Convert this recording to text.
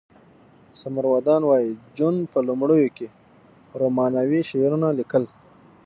سمور ودان وایی جون په لومړیو کې رومانوي شعرونه لیکل